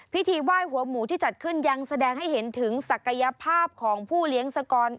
พิธีไหว้หัวหมูที่จัดขึ้นยังแสดงให้เห็นถึงศักยภาพของผู้เลี้ยงสกร